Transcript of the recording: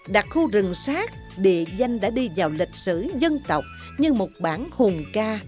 đặc khu rừng sát địa danh đã đi vào lịch sử dân tộc như một bản hùng ca